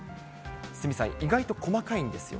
鷲見さん、意外と細かいんですよ